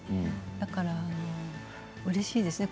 だから、うれしいですよね。